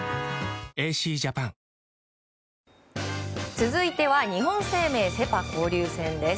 続いては日本生命セ・パ交流戦です。